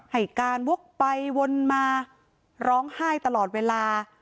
ให้การวกไปวนมาร้องไห้ตลอดเวลา